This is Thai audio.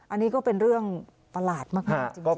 อันนี้ก็เป็นเรื่องประหลาดมากจริง